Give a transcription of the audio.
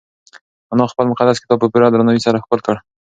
انا خپل مقدس کتاب په پوره درناوي سره ښکل کړ.